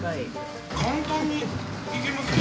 簡単にいけますね。